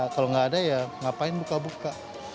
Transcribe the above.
kalau nggak ada ya ngapain buka buka